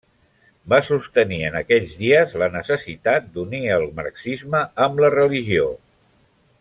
Va sostenir en aquells dies la necessitat d'unir el marxisme amb la religió.